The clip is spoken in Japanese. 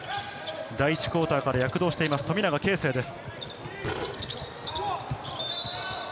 第１クオーターから躍動しています、富永啓生です。